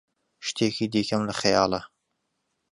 شتێکی دیکەم لە خەیاڵە.